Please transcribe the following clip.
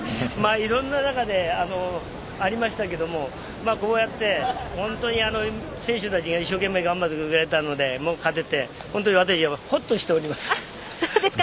いろんな中でありましたけどもこうやって本当に選手たちが一生懸命頑張ってくれて勝てて私はほっとしております。